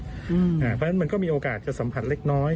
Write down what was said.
เพราะฉะนั้นมันก็มีโอกาสจะสัมผัสเล็กน้อย